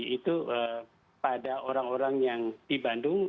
itu pada orang orang yang di bandung